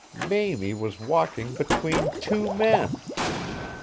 Mamie was walking between two men.